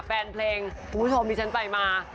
แฟนเพลงคุณผู้ชมที่ฉันไปมา